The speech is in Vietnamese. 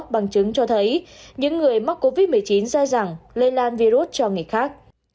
bằng chứng cho thấy những người mắc covid một mươi chín dài dẳng lây lan virus cho người khác